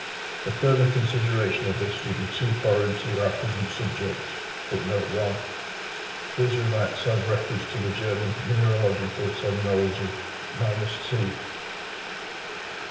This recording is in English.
The further consideration of this would be too foreign to our present subject. These remarks have reference to the German mineralogical terminology. T.